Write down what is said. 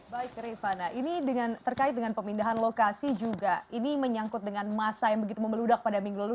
baik rifana ini terkait dengan pemindahan lokasi juga ini menyangkut dengan masa yang begitu membeludak pada minggu lalu